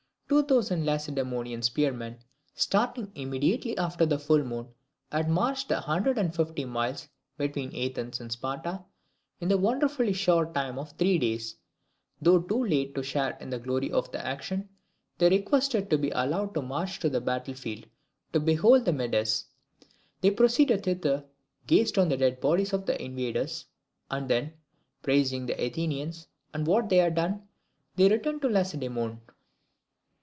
Two thousand Lacedaemonian spearmen, starting immediately after the full moon, had marched the hundred and fifty miles between Athens and Sparta in the wonderfully short time of three days. Though too late to share in the glory of the action, they requested to be allowed to march to the battle field to behold the Medes. They proceeded thither, gazed on the dead bodies of the invaders, and then, praising the Athenians and what they had done, they returned to Lacedaemon.